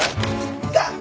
痛っ！